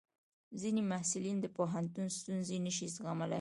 ځینې محصلین د پوهنتون ستونزې نشي زغملی.